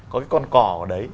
có cái con cỏ ở đấy